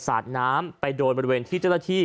สาดน้ำไปโดนบริเวณที่เจ้าหน้าที่